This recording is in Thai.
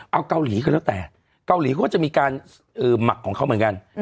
เอาเกาหลีก็ถูกแทนเกาหลีก็ว่าจะมีการให้มักของเขาเหมือนกัน